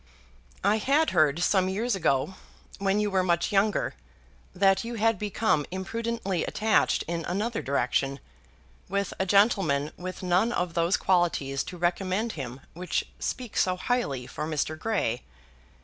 I had heard, some years ago, when you were much younger, that you had become imprudently attached in another direction with a gentleman with none of those qualities to recommend him which speak so highly for Mr. Grey.